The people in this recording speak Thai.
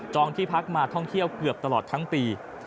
ที่พักมาท่องเที่ยวเกือบตลอดทั้งปี